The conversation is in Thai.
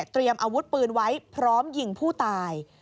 อาวุธปืนไว้พร้อมยิงผู้ตาย